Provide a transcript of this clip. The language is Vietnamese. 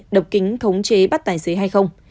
đập kính thống chế bắt tài xế hay không